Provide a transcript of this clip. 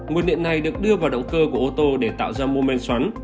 nguồn điện này được đưa vào động cơ của ô tô để tạo ra momen xoắn